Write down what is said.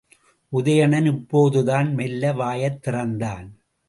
உதயணன் இப்போதுதான் மெல்ல வாயைத் திறந்தான்.